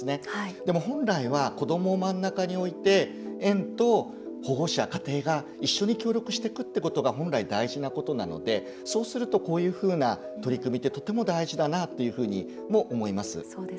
でも、本来は子どもを真ん中に置いて園と保護者、家庭が一緒に協力していくってことが本来、大事なことなのでそうするとこういうふうな取り組みってとても大事だなっていうふうにも思います。